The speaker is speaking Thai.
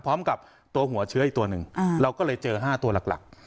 พร้อมกับตัวหัวเชื้ออีกตัวหนึ่งเราก็เลยเจอ๕ตัวหลัก